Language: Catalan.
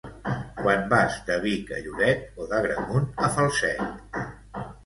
quan vas de Vic a Lloret o d'Agramunt a Falset